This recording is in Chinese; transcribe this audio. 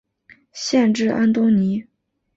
县治安东尼。